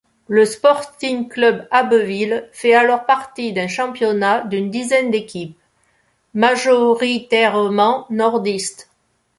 Le Sporting Club Abbeville fait alors partie d'un championnat d'une dizaine d'équipes, majoritairement nordistes.